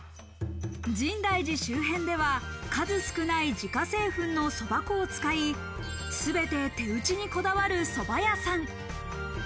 深大寺周辺では数少ない自家製粉のそば粉を使い、全て手打ちにこだわるそば屋さん。